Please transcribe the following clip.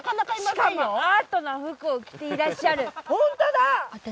しかもアートな服を着ていらっしゃるホントだ私